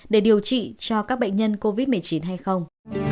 để điều trị cho các bệnh nhân covid một mươi chín hay không